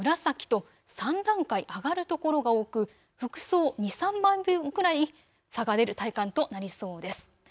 朝は黄色い所も日中はオレンジ、赤、紫と３段階上がる所が多く服装２、３枚分くらい差が出る体感となりそうです。